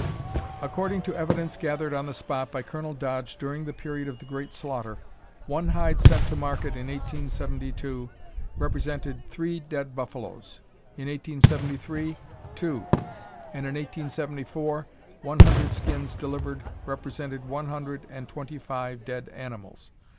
According to evidence gathered on the spot by Colonel Dodge during the period of the great slaughter, one hide sent to market in 1872 represented three dead buffaloes, in 1873 two, and in 1874 one hundred skins delivered represented one hundred and twenty five dead animals.